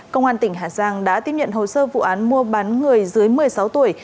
công an tỉnh hà giang đã tiếp nhận hồ sơ vụ án mua bán người dưới một mươi sáu tuổi